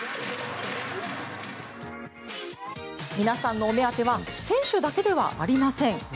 皆さんのお目当ては選手だけではありません。